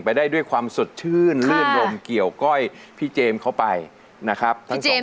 ได้ด้วยความสดชื่นลื่นรมเกี่ยวก้อยพี่เจมส์เข้าไปนะครับทั้งสอง